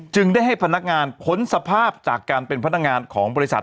ได้ให้พนักงานพ้นสภาพจากการเป็นพนักงานของบริษัท